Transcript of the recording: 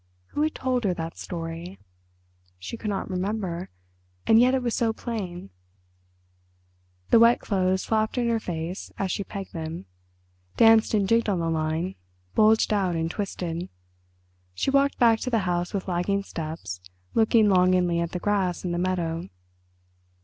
Who had told her that story? She could not remember, and yet it was so plain. The wet clothes flapped in her face as she pegged them; danced and jigged on the line, bulged out and twisted. She walked back to the house with lagging steps, looking longingly at the grass in the meadow.